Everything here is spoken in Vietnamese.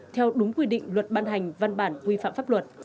theo đúng quy định luật ban hành văn bản quy phạm pháp luật